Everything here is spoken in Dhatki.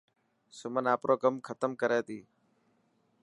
سمن آپرو ڪم ختم ڪري تي.